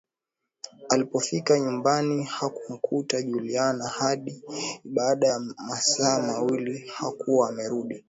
Alipofika nyumbani hakumkuta Juliana hadi baada ya masaa mawili hakuwa amerudi